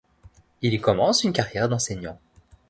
Il y commence une carrière d'enseignant.